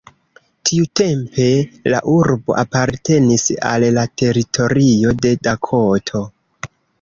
Tiutempe la urbo apartenis al la teritorio de Dakoto.